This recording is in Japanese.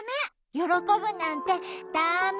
よろこぶなんてダメ！